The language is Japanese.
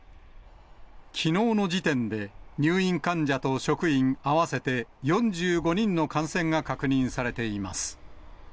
きのうの時点で、入院患者と職員合わせて４５人の感染が確認されています。